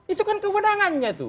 itu kan kewenangannya tuh